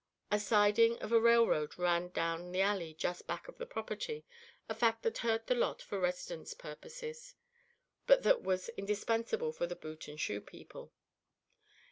A siding of the railroad ran down the alley just back of the property, a fact that hurt the lot for residence purposes, but that was indispensable for the boot and shoe people.